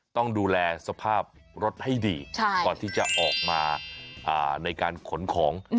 ต้องดูแลสภาพรถให้ดีก่อนที่จะออกมาในการขนของ